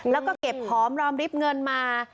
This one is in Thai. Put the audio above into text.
แล้วก็เก็บหอมรอมริบเงินมา